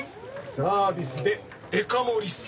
サービスで「デカ」盛りっす。